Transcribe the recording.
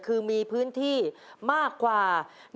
คือมีพื้นที่มากกว่า